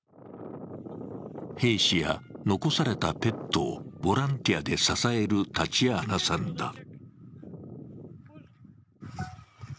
兵士や残されたペットをボランティアで支えるタチアーナさんだ。